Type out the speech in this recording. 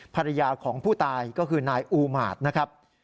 ภรรยาของผู้ตายก็คือนายอูหมาตรนะครับ